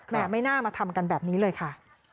ไม่น่ามาทำกันแบบนี้เลยค่ะ